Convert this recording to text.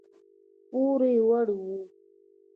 پوروړي وو.